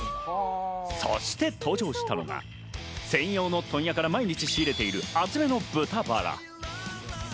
そして登場したのは専用の問屋から毎日仕入れている厚めの豚バラ。